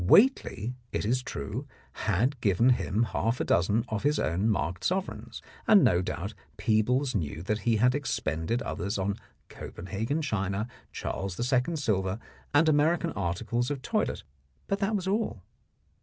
Whately, it is true, had given him half a dozen of his own marked sovereigns, and no doubt Peebles knew that he had expended others on Copenhagen china, Charles II. silver and American articles of toilet, but that was all.